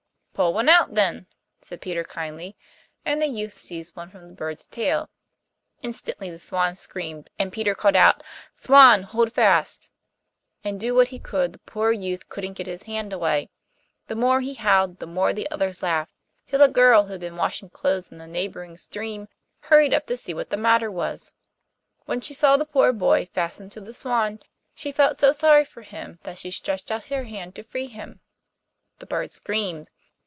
'Pull one out then,' said Peter kindly, and the youth seized one from the bird's tail; instantly the swan screamed, and Peter called out, 'Swan, hold fast,' and do what he could the poor youth couldn't get his hand away. The more he howled the more the others laughed, till a girl who had been washing clothes in the neighbouring stream hurried up to see what was the matter. When she saw the poor boy fastened to the swan she felt so sorry for him that she stretched out her hand to free him. The bird screamed.